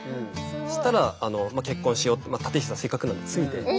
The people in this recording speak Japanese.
そしたら「結婚しよう」って立て膝せっかくなんでついて。